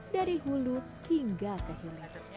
dari hulu hingga ke hilir